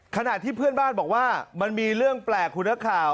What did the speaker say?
ขณะที่เพื่อนบ้านบอกว่ามันมีเรื่องแปลกคุณนักข่าว